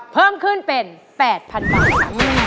เพิ่มขึ้นเป็น๘๐๐๐บาทค่ะ